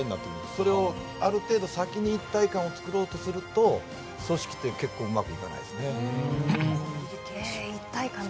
それをある程度、先に一体感を作ろうとすると組織って結構うまくいかないです。